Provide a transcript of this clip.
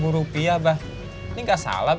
dua ribu rupiah ini gak salah